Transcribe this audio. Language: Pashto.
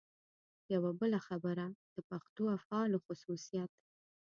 یوه بله خبره د پښتو افعالو خصوصیت.